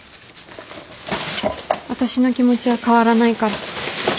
私の気持ちは変わらないから。